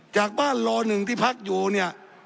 จากบ้านรอหนึ่งที่พักอยู่เนี่ย